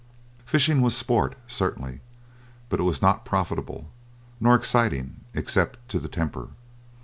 Fishing was sport, certainly, but it was not profitable, nor exciting, except to the temper.